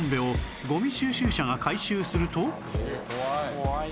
怖い。